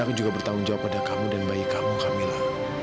aku juga bertanggung jawab pada kamu dan bayi kamu camilla